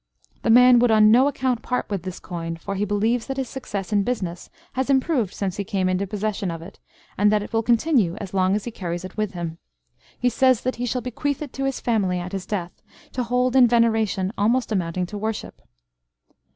The man would on no account part with this coin, for he believes that his success in business has improved since he came into possession of it, and that it will continue as long as he carries it with him. He says that he shall bequeath it to his family at his death, to hold in veneration almost amounting to worship.